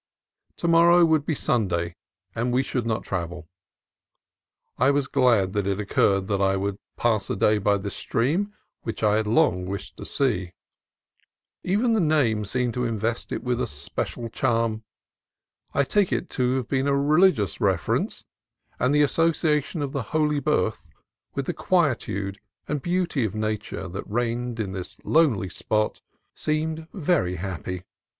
To morrow would be Sunday, and we should not travel. I was glad that it occurred that I could pass a day by this stream, which I had long wished to see. Even the name seemed to invest it with a special charm. I take it to have a religious reference ; and the association of the Holy Birth with the quietude and beauty of Nature that reigned in this lonely spot seemed very happy.